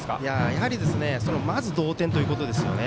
やはりまず同点ということですよね。